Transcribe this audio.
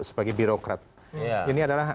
sebagai birokrat ini adalah